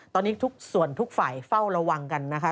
ตอนนี้ทุกส่วนทุกฝ่ายเฝ้าระวังกันนะคะ